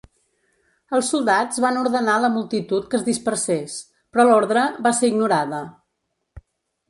Els soldats van ordenar la multitud que es dispersés, però la ordre va ser ignorada.